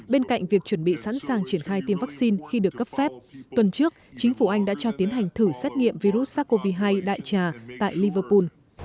bên cạnh việc chuẩn bị sẵn sàng triển khai tiêm vaccine khi được cấp phép tuần trước chính phủ anh đã cho tiến hành thử xét nghiệm virus sars cov hai đại trà tại liverpool